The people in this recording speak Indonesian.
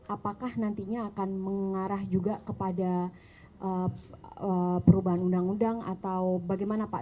apakah nantinya akan mengarah juga kepada perubahan undang undang atau bagaimana pak